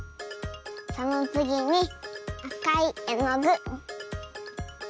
そのつぎにあかいえのぐをちょん。